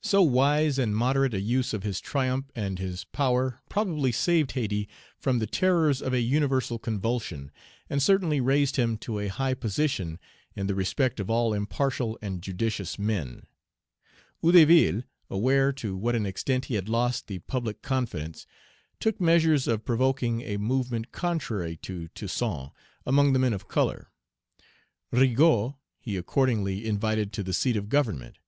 So wise and moderate a use of his triumph and his power probably saved Hayti from the terrors of a universal convulsion, and certainly raised him to a high position in the respect of all impartial and judicious men. Page 93 Hédouville, aware to what an extent he had lost the public confidence, took measures for provoking a movement contrary to Toussaint, among the men of color. Rigaud he accordingly invited to the seat of government.